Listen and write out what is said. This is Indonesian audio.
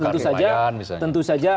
tapi tentu saja